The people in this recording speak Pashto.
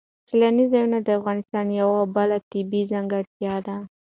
سیلاني ځایونه د افغانستان یوه بله طبیعي ځانګړتیا ده.